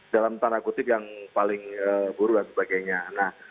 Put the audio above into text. dalam tanda kutip yang paling buruk dan sebagainya